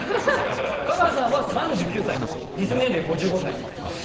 香川さんは３９歳、実年齢５５歳。